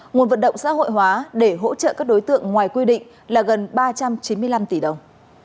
nguồn vận động xã hội hóa để hỗ trợ các đối tượng ngoài quy định là gần ba trăm chín mươi năm tỷ đồng